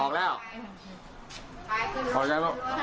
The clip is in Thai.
ออกแล้วไป